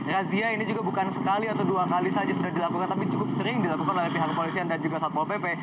razia ini juga bukan sekali atau dua kali saja sudah dilakukan tapi cukup sering dilakukan oleh pihak kepolisian dan juga satpol pp